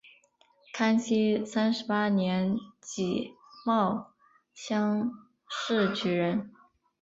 康熙三十八年己卯乡试举人。